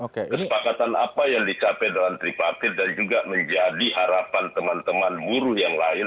kesepakatan apa yang dicapai dalam tripartit dan juga menjadi harapan teman teman buruh yang lain